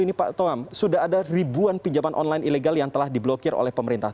ini pak toham sudah ada ribuan pinjaman online ilegal yang telah diblokir oleh pemerintah